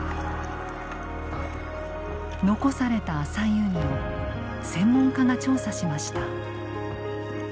残された浅い海を専門家が調査しました。